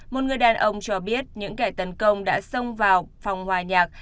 một người đàn ông cho biết những kẻ tấn công đã xông vào phòng hòa nhạc